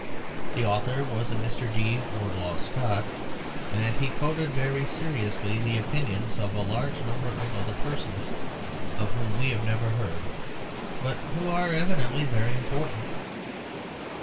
The author was a Mr. D. Wardlaw Scott, and he quoted very seriously the opinions of a large number of other persons, of whom we have never heard, but who are evidently very important.